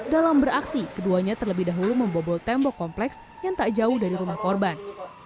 dalam beraksi keduanya terlebih dahulu membobol tembok kompleks yang tak jauh dari rumah korban